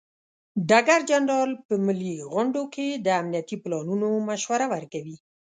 ډګر جنرال په ملي غونډو کې د امنیتي پلانونو مشوره ورکوي.